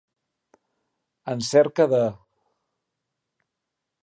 En cerca de.